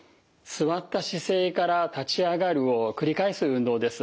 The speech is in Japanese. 座った姿勢から立ち上がるを繰り返す運動です。